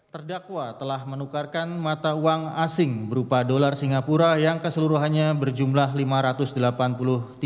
terdakwa telah menukarkan mata uang asing berupa dolar singapura yang keseluruhannya berjumlah rp lima ratus delapan puluh triliun